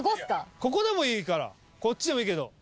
ここでもいいからこっちでもいいけど。